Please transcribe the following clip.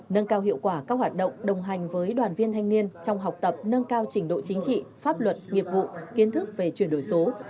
nâng cao hiệu quả các hoạt động đồng hành với đoàn viên thanh niên trong học tập nâng cao trình độ chính trị pháp luật nghiệp vụ kiến thức về chuyển đổi số